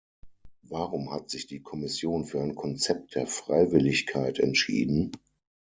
Warum hat sich die Kommission für ein Konzept der Freiwilligkeit entschieden?